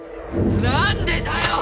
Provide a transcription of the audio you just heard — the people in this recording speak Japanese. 何でだよ！